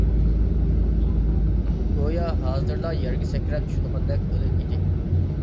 گويا ھازىرلا يەرگە سەكرەپ چۈشىدىغاندەك ئىدى.